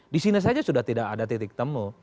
disini saja sudah tidak ada titik temu